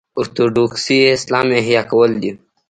اورتوډوکسي اسلام احیا کول دي.